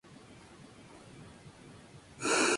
Procrearon a Ana María Dávila Bastidas.